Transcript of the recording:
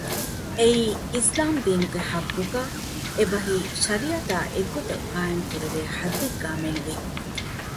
އެއީ އިސްލާމް ދީނުގެ ޙައްޤުގައި، އެބަހީ: ޝަރީޢަތާ އެއްގޮތަށް ޤާއިމު ކުރެވޭ ޙައްދެއްގައި މެނުވީ